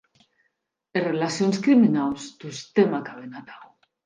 Es relacions criminaus tostemp acaben atau.